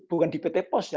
bukan di pt post